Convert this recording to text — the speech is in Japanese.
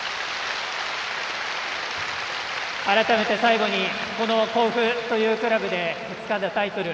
改めて最後にこの甲府というクラブでつかんだタイトル